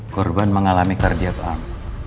korban mengalami kardiak arm